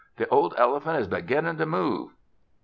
The old elephant is beginnin' to move."